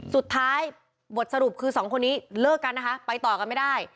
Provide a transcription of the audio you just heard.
สุดท้ายบทสรุปคือสองคนนี้เลิกกันนะคะไปต่อกันไม่ได้